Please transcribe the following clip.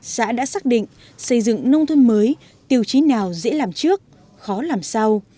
xã đã xác định xây dựng nông thôn mới tiêu chí nào dễ làm trước khó làm sau